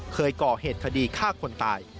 เคยก่อเหตุคดีฆ่าคนตาย